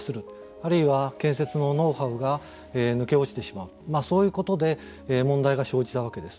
あるいは建設のノウハウが抜け落ちてしまうそういうことで問題が生じたわけです。